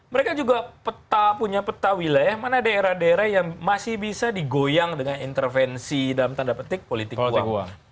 mereka juga punya peta wilayah mana daerah daerah yang masih bisa digoyang dengan intervensi dalam tanda petik politik uang